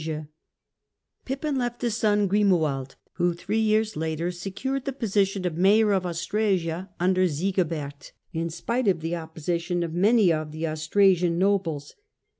Grimoaid Pippin left a son, Grimoald, who three years later secured the position of Mayor of Austrasia under Sigi bert, in spite of the opposition of many of the Austrasian nobles.